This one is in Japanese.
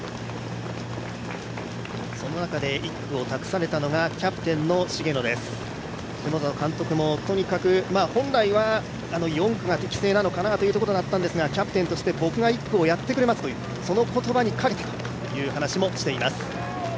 その中で１区を託されたのがキャプテンの滋野です、下里監督も本来は４区が適正だったのかなということだったんですがキャプテンとして僕が１区やりますとその言葉にかけてという話もしています。